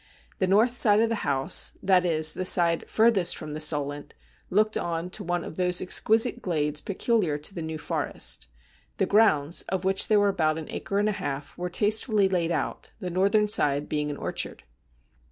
The north side of the house, that is, the side furthest from the Solent, looked on to one of those exquisite glades peculiar to the New Forest. The grounds, of which there were about an acre and a half, were tastefully laid out, the northern side being an orchard.